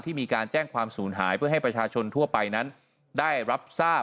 มีการแจ้งความสูญหายเพื่อให้ประชาชนทั่วไปนั้นได้รับทราบ